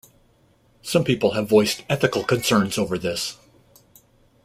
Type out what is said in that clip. Some people have voiced ethical concerns over this.